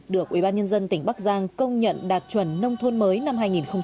được ubnd tỉnh bắc giang công nhận đạt chuẩn nông thôn mới năm hai nghìn một mươi